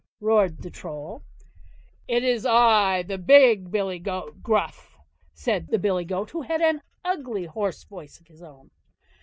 roared the Troll. "IT'S I! THE BIG BILLY GOAT GRUFF", said the billy goat, who had an ugly hoarse voice of his own.